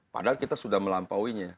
padahal kita sudah melampauinya